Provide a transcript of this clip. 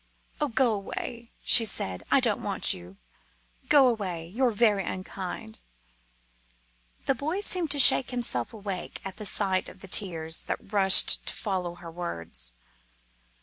"Oh! go away!" she said. "I don't want you! Go away; you're very unkind!" The boy seemed to shake himself awake at the sight of the tears that rushed to follow her words.